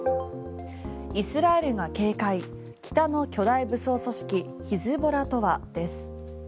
イスラエルな警戒北の巨大武装組織ヒズボラとはです。